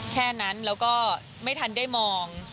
แค่นั้นแล้วก็ไม่ทันได้มอง